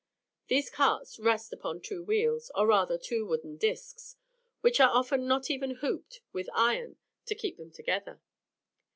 These carts rest upon two wheels, or rather two wooden disks, which are often not even hooped with iron to keep them together.